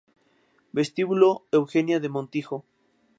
Vestíbulo Eugenia de Montijo